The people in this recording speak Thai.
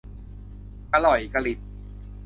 กะหล่อยกะหลิบ